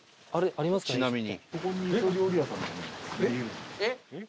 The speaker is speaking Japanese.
ちなみに。